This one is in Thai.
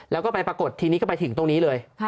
แล้วก็ไปปรากฏทีนี้ก็ไปถึงตรงนี้เลย